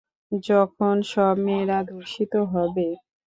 যখন সব মেয়েরা ধর্ষিত হবে।